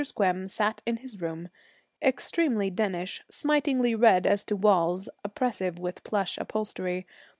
Squem sat in his room extremely dennish, smitingly red as to walls, oppressive with plush upholstery.